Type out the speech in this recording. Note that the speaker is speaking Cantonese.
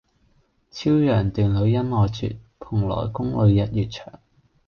昭陽殿里恩愛絕，蓬萊宮中日月長。